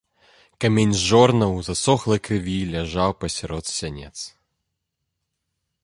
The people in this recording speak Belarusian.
Камень з жорнаў у засохлай крыві ляжаў пасярод сянец.